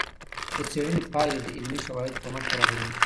د څېړنې پايلې د علمي شواهدو په مټ برابریږي.